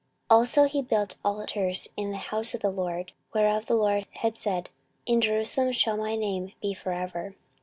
14:033:004 Also he built altars in the house of the LORD, whereof the LORD had said, In Jerusalem shall my name be for ever.